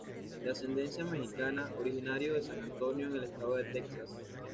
De ascendencia mexicana, originario de San Antonio en el estado de Texas.